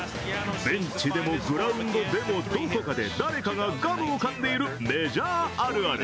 ベンチでもグラウンドでもどこかで誰かがガムをかんでいるメジャーあるある。